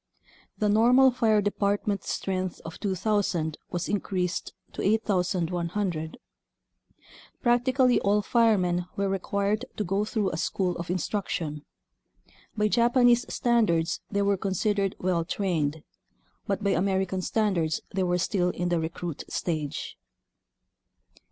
The normal fire department strength of 2,000 was increased to 8,100. Practically all firemen were required to go through a school of instruction. By Japanese standards they were considered well trained, but by American standards they were still in the recruit stage.